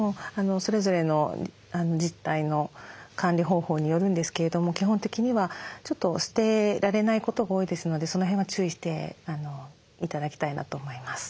それぞれの自治体の管理方法によるんですけれども基本的にはちょっと捨てられないことが多いですのでその辺は注意して頂きたいなと思います。